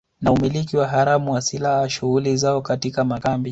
na umiliki haramu wa silaha shughuli zao katika makambi